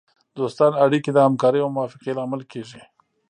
دوستانه اړیکې د همکارۍ او موافقې لامل کیږي